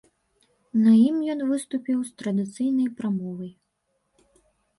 На ім ён выступіў з традыцыйнай прамовай.